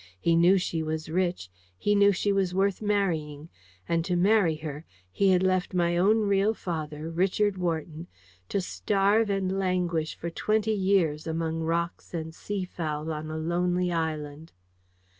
He knew she was rich: he knew she was worth marrying: and to marry her, he had left my own real father, Richard Wharton, to starve and languish for twenty years among rocks and sea fowl on a lonely island!